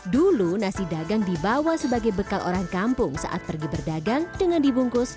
dulu nasi dagang dibawa sebagai bekal orang kampung saat pergi berdagang dengan dibungkus